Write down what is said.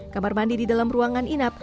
kamar mandi di dalam ruangan inap